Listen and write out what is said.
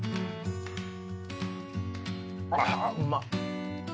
あうまっ。